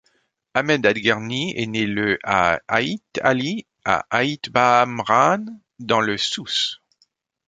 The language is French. Ahmed Adghirni est né le à Aït Ali à Aït Baâmrane dans le Souss.